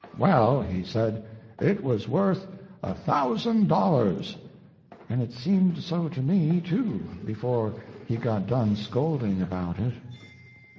"Well," he said, "it was worth a thousand dollars," and it seemed so to me, too, before he got done scolding about it.